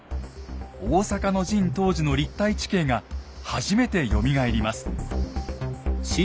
大坂の陣当時の立体地形が初めてよみがえります。